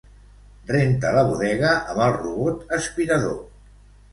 Renta la bodega amb el robot aspirador.